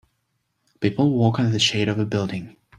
People walk under the shade of a building.